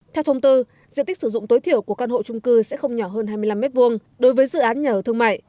theo thông tư diện tích sử dụng tối thiểu của căn hộ trung cư sẽ không nhỏ hơn hai mươi năm m hai đối với dự án nhà ở thương mại